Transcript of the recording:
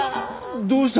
どうした？